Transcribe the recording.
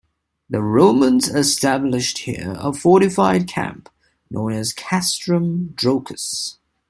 The Romans established here a fortified camp known as Castrum Drocas.